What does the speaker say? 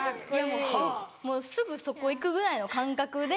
すぐそこ行くぐらいの感覚で。